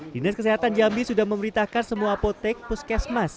dinas kesehatan jambi sudah memerintahkan semua apotek puskesmas